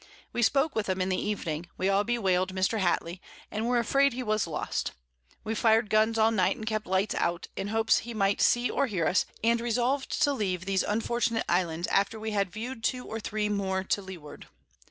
We spoke with 'em in the Evening; we all bewail'd Mr. Hatley, and were afraid he was lost: We fir'd Guns all Night, and kept Lights out, in hopes he might see or hear us, and resolved to leave these unfortunate Islands, after we had view'd two or three more to Leeward.